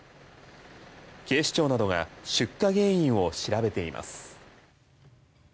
警視庁などが出火原因を調べています。